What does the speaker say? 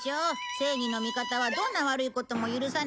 正義の味方はどんな悪いことも許さないって。